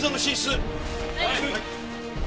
はい。